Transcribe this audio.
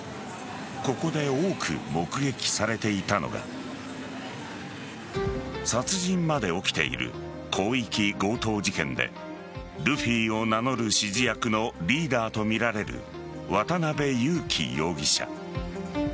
ここで多く目撃されていたのが殺人まで起きている広域強盗事件でルフィを名乗る指示役のリーダーとみられる渡辺優樹容疑者。